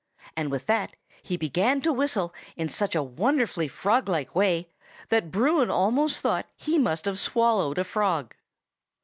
And with that he began to whistle in such a wonderfully frog like way, that Bruin almost thought he must have swallowed a frog.